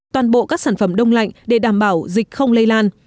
toàn bộ các sản phẩm đông lạnh để đảm bảo dịch không lây lan